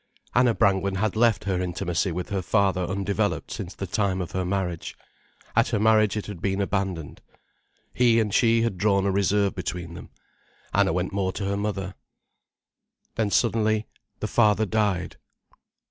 Anna Brangwen had left her intimacy with her father undeveloped since the time of her marriage. At her marriage it had been abandoned. He and she had drawn a reserve between them. Anna went more to her mother. Then suddenly the father died.